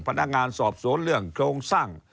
พนักงานสอบสวนเรื่องโครงสร้าง